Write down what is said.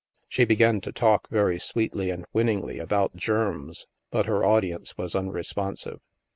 She began to talk, very sweetly and winningly, about germs. But her audience was unresponsive.